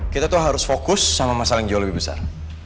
kita tuh harus fokus sama masalah yang jauh lebih besar